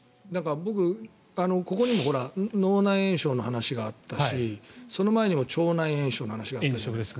僕、ここにも脳内炎症の話があったしその前にも腸内炎症の話があった。